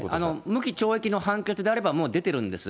無期懲役の判決であればもう出てるんです。